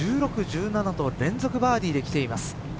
１６１７と連続バーディーできています。